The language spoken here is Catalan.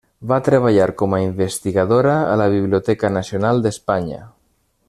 Va treballar com a investigadora a la Biblioteca Nacional d'Espanya.